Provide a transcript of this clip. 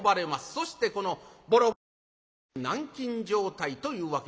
そしてこのボロボロの屋敷へ軟禁状態というわけでございます。